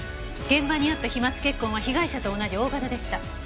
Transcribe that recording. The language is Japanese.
現場にあった飛沫血痕は被害者と同じＯ型でした。